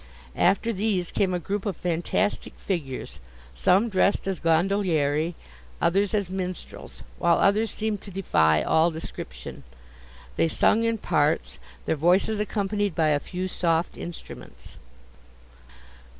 After these came a group of fantastic figures, some dressed as gondolieri, others as minstrels, while others seemed to defy all description. They sung in parts, their voices accompanied by a few soft instruments.